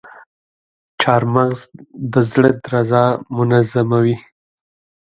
چارمغز د زړه درزا منظموي.